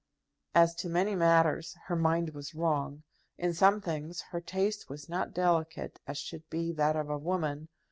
As to many matters her mind was wrong. In some things her taste was not delicate as should be that of a woman.